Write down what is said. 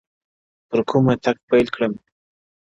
پر كومه تگ پيل كړم،